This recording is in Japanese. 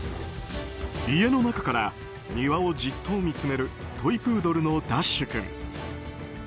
家の中から庭をじっと見つめるトイプードルのダッシュ君。